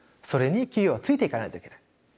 それに企業はついていかないといけない。